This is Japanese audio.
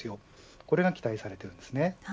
これが期待されているんです。